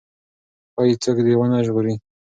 ښايي څوک دې ونه ژغوري.